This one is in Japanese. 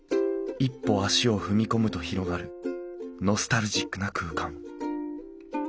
一歩足を踏み込むと広がるノスタルジックな空間